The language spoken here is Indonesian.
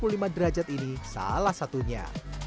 kemiringan sekitar empat puluh lima derajat ini salah satunya